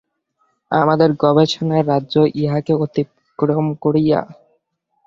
আমাদের গবেষণার রাজ্য ইহাকে অতিক্রম করিয়া।